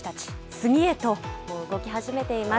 次へともう、動き始めています。